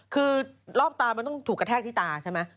คือรอบตามันต้องถูกกระแทกที่ตาใช่ไหม